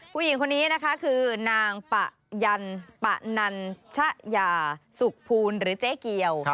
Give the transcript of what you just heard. ผู้หญิงคนนี้นะคะคือนางปะยันปะนัญชะยาสุขภูลหรือเจ๊เกียว